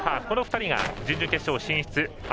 この２人が準々決勝進出。